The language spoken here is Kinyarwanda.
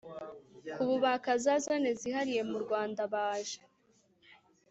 ku bubaka za Zone zihariye murwanda baje